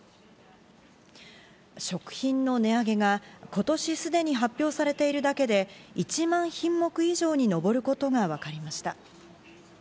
食品の値上げが今年すでに発表されているだけで１万品目以上にのぼることがわかりました。